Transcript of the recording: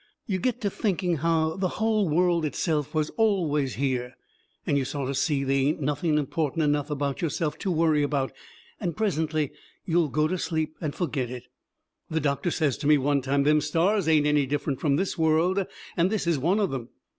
You get to thinking how the hull world itself was always here, and you sort o' see they ain't nothing important enough about yourself to worry about, and presently you will go to sleep and forget it. The doctor says to me one time them stars ain't any different from this world, and this is one of them.